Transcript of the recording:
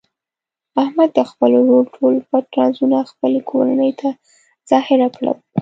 احمد د خپل ورور ټول پټ رازونه خپلې کورنۍ ته ظاهره کړل.